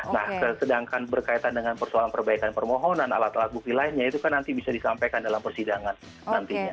nah sedangkan berkaitan dengan persoalan perbaikan permohonan alat alat bukti lainnya itu kan nanti bisa disampaikan dalam persidangan nantinya